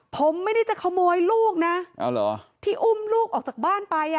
ผมไม่ได้จะขโมยลูกนะที่อุ้มลูกออกจากบ้านไปอ่ะ